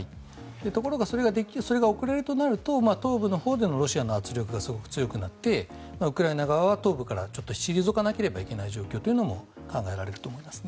ところがそれが遅れるとなると東部のほうでのロシアの圧力がすごく強くなってウクライナ側は東部から退かなければいけない状況も考えられると思います。